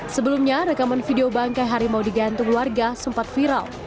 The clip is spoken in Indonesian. sebelumnya rekaman video bangkai harimau digantung warga sempat viral